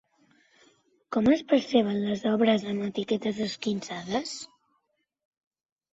Com es perceben les obres amb etiquetes esquinçades?